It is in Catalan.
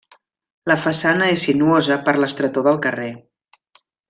La façana és sinuosa per l'estretor del carrer.